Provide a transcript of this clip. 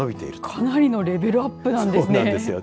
かなりのレベルアップなんですね。